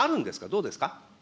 どうですか。